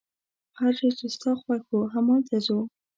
هر ځای چي ستا خوښ وو، همالته ځو.